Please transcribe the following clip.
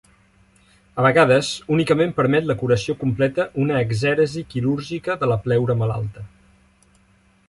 A vegades, únicament permet la curació completa una exèresi quirúrgica de la pleura malalta.